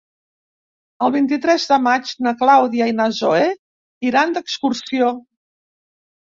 El vint-i-tres de maig na Clàudia i na Zoè iran d'excursió.